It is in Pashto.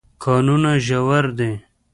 کانونه ژور دي.